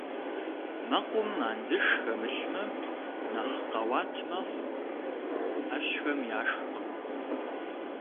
Мэкъум андзыш хэмылъмэ нэхъ къэуат мэхъу, ӏэщхэм яшхкъым.